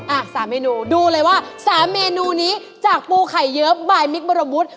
อ่ะสามเมนูดูเลยว่าสามเมนูนี้จากปูไข่เยอะบายมิกบรมบุตร